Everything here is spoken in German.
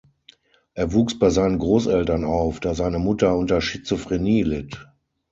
Er wuchs bei seinen Großeltern auf, da seine Mutter unter Schizophrenie litt.